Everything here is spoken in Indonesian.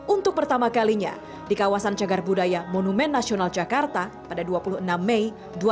untuk pertama kalinya di kawasan cagar budaya monumen nasional jakarta pada dua puluh enam mei dua ribu dua puluh